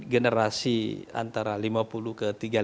generasi antara lima puluh ke tiga puluh